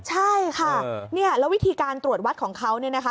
ใช่ค่ะเนี่ยแล้ววิธีการตรวจวัดของเขาเนี่ยนะคะ